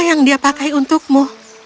yang dia pakai untukmu